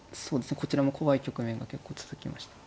こちらも怖い局面が結構続きました。